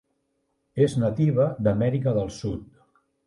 És nativa d'Amèrica del Sud.